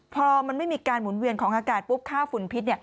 พอมันไม่มีการหมุนเวียนของอากาศปุ๊บค่าฝุ่นพิษ